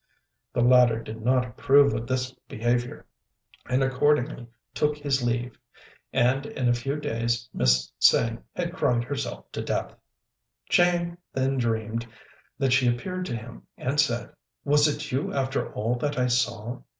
The latter did not approve of this behaviour, and accordingly took his leave; and in a few days Miss Tsêng had cried herself to death. Chang then dreamed that she appeared to him, and said, "Was it you after all that I saw?